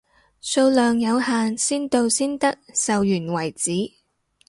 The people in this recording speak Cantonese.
數量有限，先到先得，售完為止，